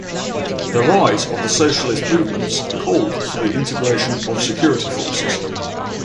The rise of the socialist movements called for the integration of security forces.